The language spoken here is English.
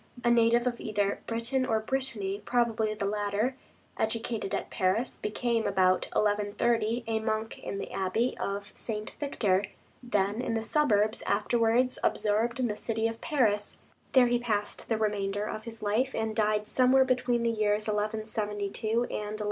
A native of either Britain or Brittany, probably the latter; educated at Paris; became, about 1130, a monk in the Abbey of St. Victor, then in the suburbs, afterwards absorbed in the city of Paris; there he passed the remainder of his life, and died somewhere between the years 1172 and 1192.